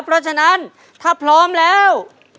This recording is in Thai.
เพราะฉะนั้นถ้าพร้อมแล้ว